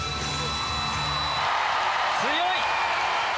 強い。